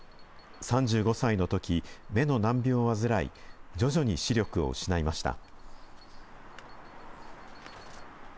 ３５歳のとき、目の難病を患い、徐々に視力を失いました。